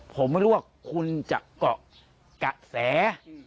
ผมไม่รู้ว่าคุณจะเกาะกระแส